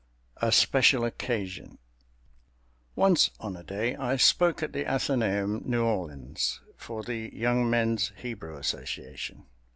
A SPECIAL OCCASION Once on a day, I spoke at the Athenæum, New Orleans, for the Young Men's Hebrew Association.